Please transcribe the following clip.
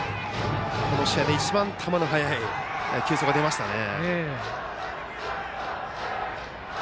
この試合で一番速い球速が出ましたね。